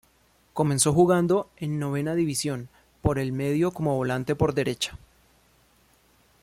Comenzó jugando, en Novena División, por el medio como volante por derecha.